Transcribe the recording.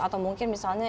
atau mungkin misalnya